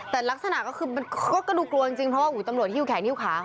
แต่รักษณะก็รู้กลัวจริงเพราะว่าตำรวจอยู่แขกนิ้วขา